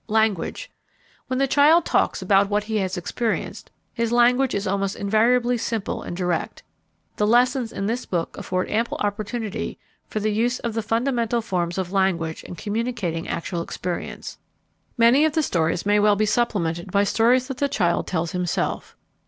Language. When the child talks about what he has experienced, his language is almost invariably simple and direct. The lessons in this book afford ample opportunity for the use of the fundamental forms of language in communicating actual experience. Many of the stories may well be supplemented by stories that the child tells himself.